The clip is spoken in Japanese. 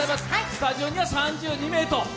スタジオには３２名と。